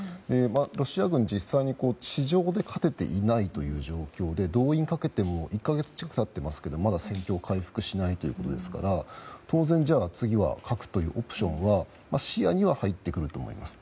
ロシア軍は実際に地上で勝てていないという状況で動員かけても１か月近く経っていますがまだ戦況回復しないということですから当然、次は核というオプションが視野には入ってくると思います。